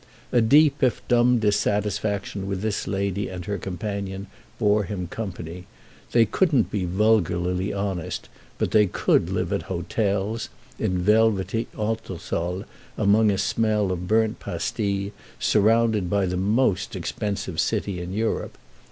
A deep if dumb dissatisfaction with this lady and her companions bore him company: they couldn't be vulgarly honest, but they could live at hotels, in velvety entresols, amid a smell of burnt pastilles, surrounded by the most expensive city in Europe.